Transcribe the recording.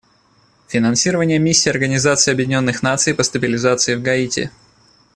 Финансирование Миссии Организации Объединенных Наций по стабилизации в Гаити.